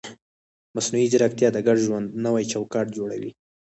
مصنوعي ځیرکتیا د ګډ ژوند نوی چوکاټ جوړوي.